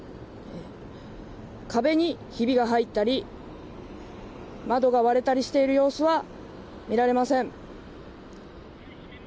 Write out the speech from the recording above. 壁にひびが入ったり、窓が割れたりしている様子は見られません。